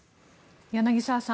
柳澤さん